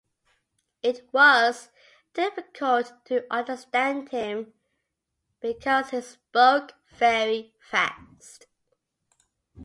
It was difficult to understand him because he spoke very fast.